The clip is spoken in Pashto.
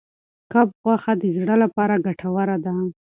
کب غوښه د زړه لپاره ډېره ګټوره ده.